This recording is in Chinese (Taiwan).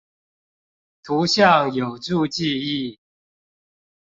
圖像有助記憶！